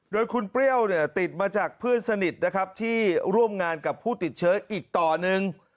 โดยคุณเปรี้ยวเนี่ยติดมาจากเพื่อนสนิทนะครับที่ร่วมงานกับผู้ติดเชื้ออีกต่อหนึ่ง